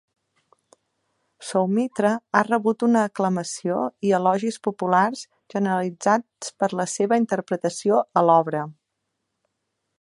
Soumitra ha rebut una aclamació i elogis populars generalitzats per la seva interpretació a l'obra.